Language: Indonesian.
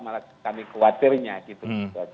malah kami khawatirnya gitu